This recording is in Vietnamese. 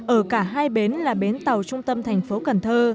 ở cả hai bến là bến tàu trung tâm thành phố cần thơ